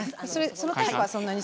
そのタイプはそんなに。